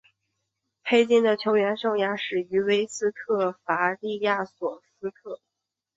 黑金的球员生涯始于威斯特伐利亚索斯特。